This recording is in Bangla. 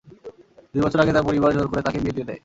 দুই বছর আগে তার পরিবার জোর করে তাকে বিয়ে দিয়ে দেয়।